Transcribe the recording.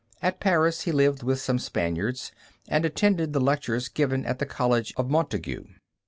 At Paris he lived with some Spaniards, and attended the lectures given at the College of Montaigu.